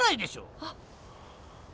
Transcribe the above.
あっ。